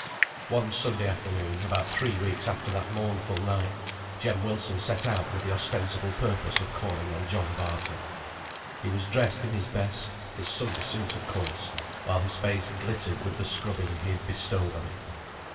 One Sunday afternoon, about three weeks after that mournful night, Jem Wilson set out with the ostensible purpose of calling on John Barton. He was dressed in his best, his Sunday suit of course; while his face glittered with the scrubbing he had bestowed on it.